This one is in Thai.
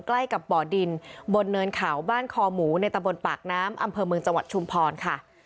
ใกล้กับบ่อดินบนเนินเขาบ้านคอหมูในตะบนปากน้ำอำเภอเมืองจังหวัดชุมพรค่ะ